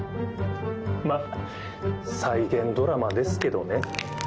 まっ再現ドラマですけどね。